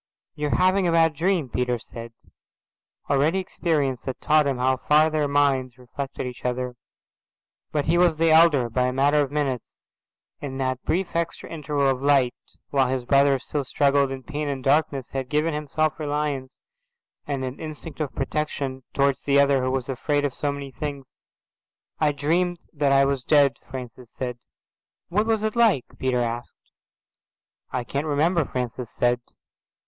"You are having a bad dream," Peter said. Already experience had taught him how far their minds reflected each other. But he was the elder, by a matter of minutes, and that brief extra interval of light, while his brother still struggled in pain and darkness, had given him self reliance and an instinct of protection towards the other who was afraid of so many things. "I dreamed that I was dead," Francis said. "What was it like?"' Peter asked. "I can't remember," Francis said.